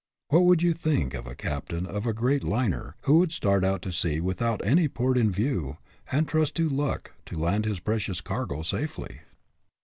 What would you think of a captain of a great liner who would start out to sea without any port in view, and trust to luck to land his precious cargo safely?